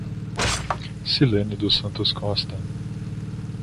Cilene dos Santos Costa